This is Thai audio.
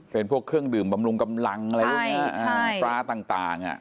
เป็นพวกเครื่องดื่มบำรุงกำลังอะไรอย่างเงี้ยใช่ใช่พระต่างต่างอ่ะ